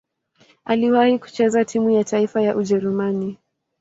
Aliwahi kucheza timu ya taifa ya Ujerumani.